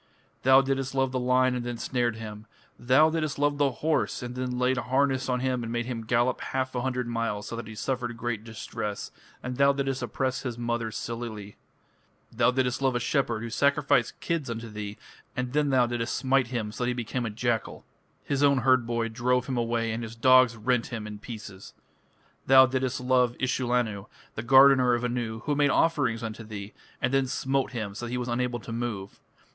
Thou didst love the lion and then snared him. Thou didst love the horse, and then laid harness on him and made him gallop half a hundred miles so that he suffered great distress, and thou didst oppress his mother Silili. Thou didst love a shepherd who sacrificed kids unto thee, and then thou didst smite him so that he became a jackal (or leopard); his own herd boy drove him away and his dogs rent him in pieces. Thou didst love Ishullanu, the gardener of Anu, who made offerings unto thee, and then smote him so that he was unable to move.